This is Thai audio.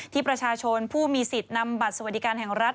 ที่ประชาชนผู้มีสิทธิ์นำบัตรสวัสดิการแห่งรัฐ